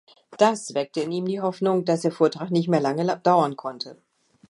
Das weckte in ihm die Hoffnung, dass der Vortrag nicht mehr lange dauern konnte.